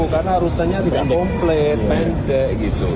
karena rutanya tidak komplit pendek gitu